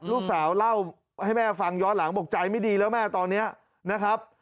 ลูกสาวเล่าให้แม่ฟังย้อนหลังบอกใจไม่ดีแล้วแม่ตอนนี้นะครับ